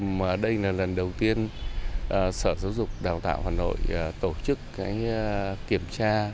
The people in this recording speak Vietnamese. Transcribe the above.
mà đây là lần đầu tiên sở giáo dục đào tạo hà nội tổ chức cái kiểm tra